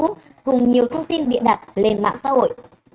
cùng nhiều thông tin bịa đặt lên mạng xã hội